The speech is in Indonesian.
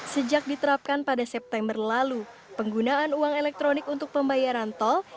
sejak diterapkan pada september lalu penggunaan uang elektronik untuk pembayaran tol